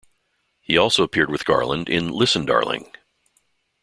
He also appeared with Garland in Listen, Darling.